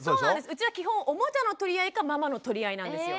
うちは基本おもちゃの取り合いかママの取り合いなんですよ。